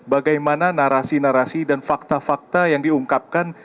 bagaimana narasi narasi dan fakta fakta yang diungkapkan